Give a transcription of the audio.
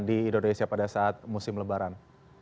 di indonesia pada saat musim lebaran